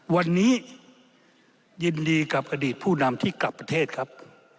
วันนี้ยินดีกับอดีตผู้นำที่กลับประเทศครับ